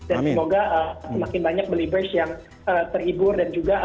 dan semoga semakin banyak beliebers yang terhibur dan juga